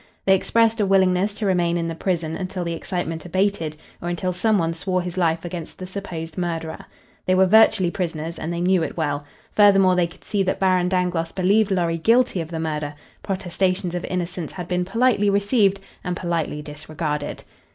They expressed a willingness to remain in the prison until the excitement abated or until some one swore his life against the supposed murderer. They were virtually prisoners, and they knew it well. Furthermore, they could see that Baron Dangloss believed Lorry guilty of the murder; protestations of innocence had been politely received and politely disregarded.